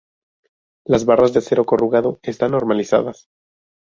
Las barras de acero corrugado están normalizadas.